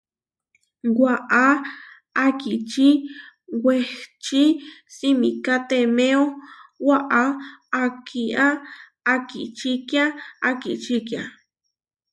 Waʼá akiči wehči simikátemeo waʼá akía akičikia akičikia.